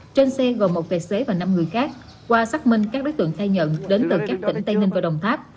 trên xe gồm một tài xế và năm người khác qua xác minh các đối tượng khai nhận đến từ các tỉnh tây ninh và đồng tháp